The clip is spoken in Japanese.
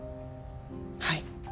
はい。